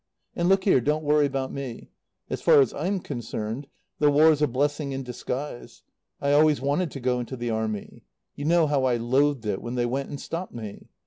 "And look here don't worry about me. As far as I'm concerned, the War's a blessing in disguise. I always wanted to go into the Army. You know how I loathed it when they went and stopped me.